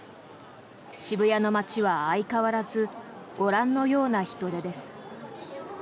渋谷の街は相変わらずご覧のような人出です。